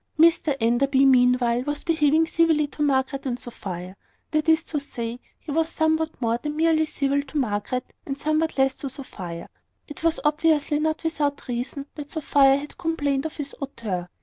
Mr Enderby, meanwhile, was behaving civilly to Margaret and Sophia; that is to say, he was somewhat more than merely civil to Margaret, and somewhat less to Sophia. It was obviously not without reason that Sophia had complained of his hauteur.